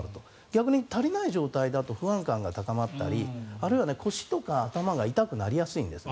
逆に足りない状態だと不安感が高まったりあるいは腰とか頭が痛くなりやすいんです。